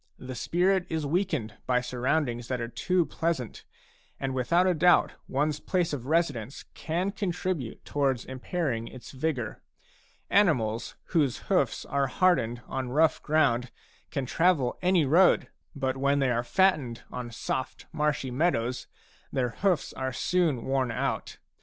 The spirit is weakened by surroundings that are too pleasant, and without a doubt one's place of residence can contribute towards impairing its vigour. Animals whose hoofs are hardened on rough ground can travel any road; but when they are fattened on soft marshy meadows their hoofs are soon worn out.